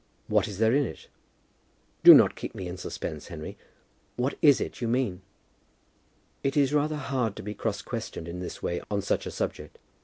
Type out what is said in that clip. "What is there in it? Do not keep me in suspense, Henry. What is it you mean?" "It is rather hard to be cross questioned in this way on such a subject.